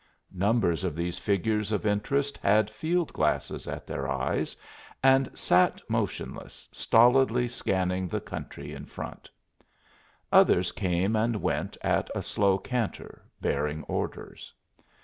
Numbers of these figures of interest had field glasses at their eyes and sat motionless, stolidly scanning the country in front; others came and went at a slow canter, bearing orders.